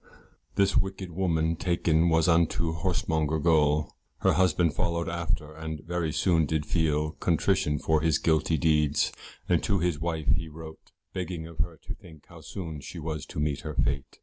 This wicked woman taken was unto Horsemonger Gaol, Her husband followed after, and very soon did feel Contrition for his guilty deeds, and to his wife he wrote, Begging of her to think how soon she was to meet her fate.